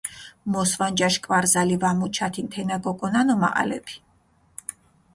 მოსვანჯაშ კვარზალი ვა მუჩათინ თენა გოკონანო მაჸალეფი.